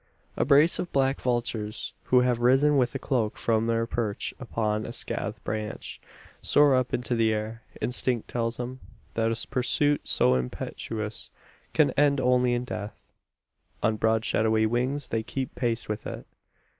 A brace of black vultures, who have risen with a croak from their perch upon a scathed branch, soar up into the air. Instinct tells them, that a pursuit so impetuous can end only in death. On broad shadowy wings they keep pace with it.